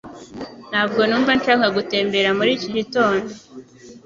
Ntabwo numva nshaka gutembera muri iki gitondo.